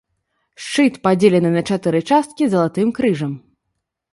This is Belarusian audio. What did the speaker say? Шчыт, падзелены на чатыры часткі залатым крыжам.